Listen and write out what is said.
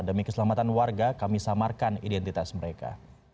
demi keselamatan warga kami samarkan identitas mereka